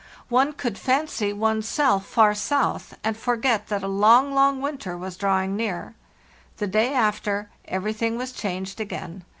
One could fancy one's self far south, and forget that a long, long winter was drawing near. The day after, everything was changed again.